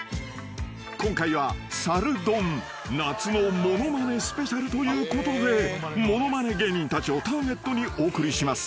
［今回は猿ドン夏の物まねスペシャルということで物まね芸人たちをターゲットにお送りします］